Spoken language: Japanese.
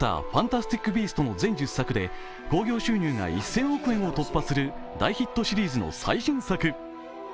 「ファンタスティック・ビースト」の全１０作で興行収入が１０００億円を突破する大ヒットシリーズの最新作。